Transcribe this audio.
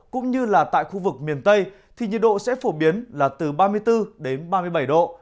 cũng như là tại khu vực miền tây thì nhiệt độ sẽ phổ biến là từ ba mươi bốn đến ba mươi bảy độ